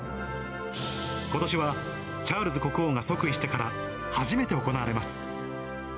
ことしは、チャールズ国王が即位してから初めて行われます。